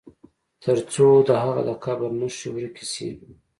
تر څو د هغه د قبر نښي ورکي سي.